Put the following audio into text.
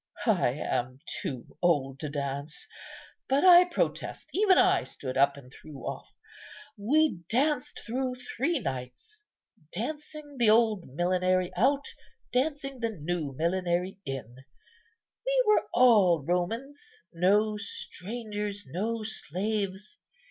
I am too old to dance; but, I protest, even I stood up and threw off. We danced through three nights, dancing the old millenary out, dancing the new millenary in. We were all Romans, no strangers, no slaves.